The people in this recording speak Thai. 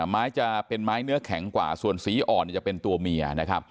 ไม้จะเป็นไม้เนื้อแข็งกว่าส่วนสีอ่อนจะเป็นตัวเมียนะครับ